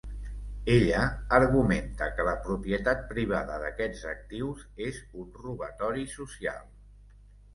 Ella argumenta que la propietat privada d'aquests actius és un robatori social.